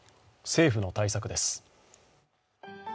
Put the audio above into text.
政府の対策です。